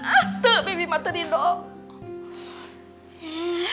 aduh bibi matahari doa